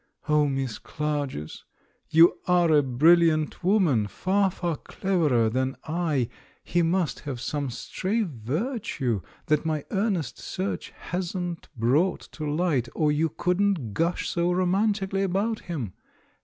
O Miss Clarges ! you are a brilliant woman, far, far cleverer than I — he must have some stray virtue that my earnest search hasn t brought to light or you couldn't gush so romantically about him.